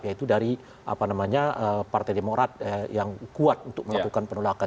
yaitu dari partai demokrat yang kuat untuk melakukan penolakan